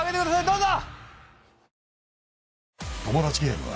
どうぞ！